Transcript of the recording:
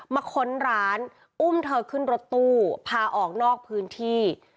ค้นร้านอุ้มเธอขึ้นรถตู้พาออกนอกพื้นที่